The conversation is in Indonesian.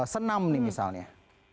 senam nih misalnya